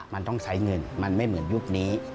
มันต้องใช้เงินมันไม่เหมือนยุคนี้